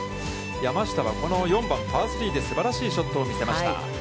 山下はこの４番パー３ですばらしいショットを見せました。